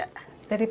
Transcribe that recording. dari pabrik be